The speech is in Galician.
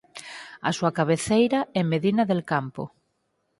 A súa cabeceira é Medina del Campo.